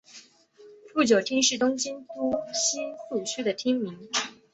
富久町是东京都新宿区的町名。